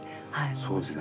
そうですね。